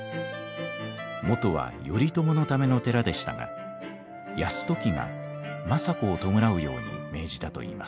元は頼朝のための寺でしたが泰時が政子を弔うように命じたといいます。